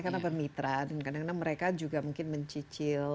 karena bermitra dan kadang kadang mereka juga mungkin mencicil